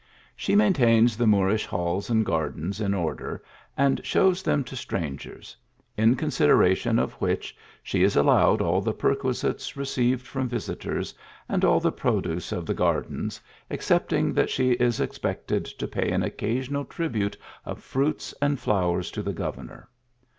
She maintains the Moorish halls and gar dens in order, and shows them to strangers ; in con sideration of which, she is allowed all the perqui sites received from visitors and all the produce of the gardens, excepting that she is expected to pay an occasional tribute of fruits and flowers to the gov ernor.